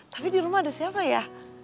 tapi di rumah ada siapa ya